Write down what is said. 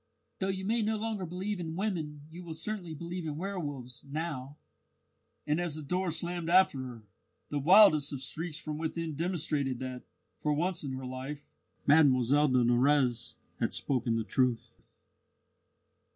Though you may no longer believe in women you will certainly believe in werwolves now." And as the door slammed after her, the wildest of shrieks from within demonstrated that, for once in her life, Mlle de Nurrez had spoken the truth.